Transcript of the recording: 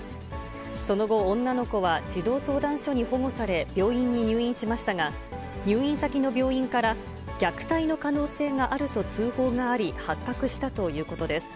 その後、女の子は児童相談所に保護され、病院に入院しましたが、入院先の病院から、虐待の可能性があると通報があり、発覚したということです。